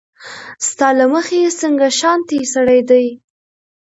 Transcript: ستا له مخې څنګه شانتې سړی دی